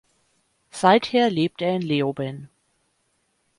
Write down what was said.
Seither lebt er in Leoben.